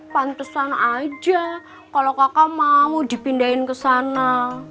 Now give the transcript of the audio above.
pantesan aja kalau kakak mau dipindahin ke sana